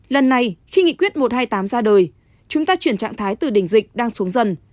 lần này khi nghị quyết một trăm hai mươi tám ra đời chúng ta chuyển trạng thái từ đỉnh dịch đang xuống dần